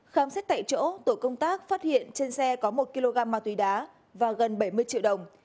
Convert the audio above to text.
khám xét tại chỗ tổ công tác phát hiện trên xe có một kg ma túy đá và gần bảy mươi triệu đồng